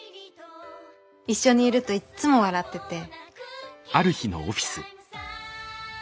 一緒にいるといっつも笑ってて。